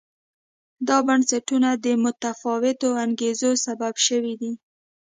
دا بنسټونه د متفاوتو انګېزو سبب شوي دي.